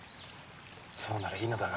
そうならいいが。